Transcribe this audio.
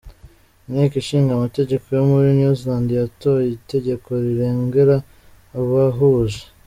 inteko ishinga amategeko yo muri New Zealand yatoye itegeko rirengera abahuje.